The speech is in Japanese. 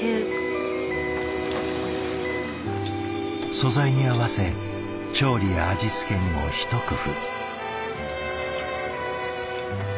素材に合わせ調理や味付けにも一工夫。